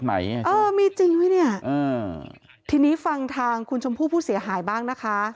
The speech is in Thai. เออมีจริงไหมเนี่ยทีนี้ฟังทางคุณชมพู่ผู้เสียหายบ้างนะคะ